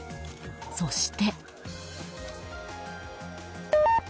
そして。